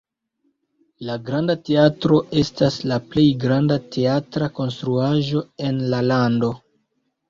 La Granda Teatro estas la plej granda teatra konstruaĵo en la lando.